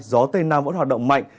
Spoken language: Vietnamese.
gió tây nam vẫn hoạt động mạnh